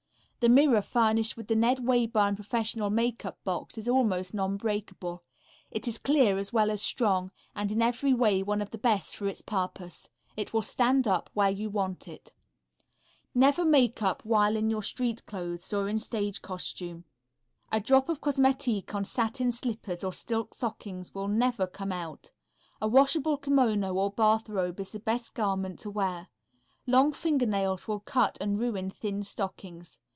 The mirror furnished with the Ned Wayburn professional makeup box is almost non breakable; it is clear as well as strong, and in every way one of the best for its purpose. It will stand up where you want it. Never makeup while in your street clothes or in stage costume. A drop of cosmetique on satin slippers or silk stockings will never come out. A washable kimono or bath robe is the best garment to wear. Long fingernails will cut and ruin thin stockings.